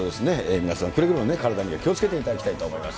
皆さんくれぐれも体には気をつけていただきたいと思います。